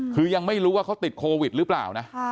คือยังไม่รู้ว่าเขาติดโควิดหรือเปล่านะ